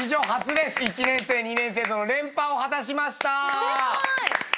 １年生２年生での連覇を果たしました。